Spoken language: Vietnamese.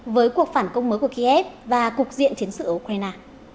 với cuộc phản công mới của kiev và cục diện chiến sự ở ukraine